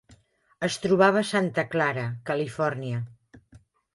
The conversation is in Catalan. Es trobava a Santa Clara, Califòrnia.